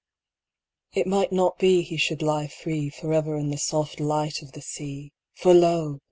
It might not beHe should lie freeForever in the soft light of the sea, For lo!